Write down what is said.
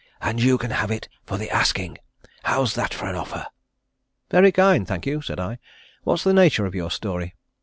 And you can have it for the asking. How's that for an offer?" "Very kind, thank you," said I. "What's the nature of your story?"